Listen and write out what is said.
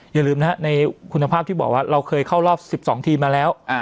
อย่าลืมนะฮะในคุณภาพที่บอกว่าเราเคยเข้ารอบ๑๒ทีมมาแล้ว